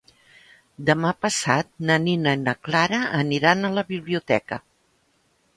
Demà passat na Nina i na Clara aniran a la biblioteca.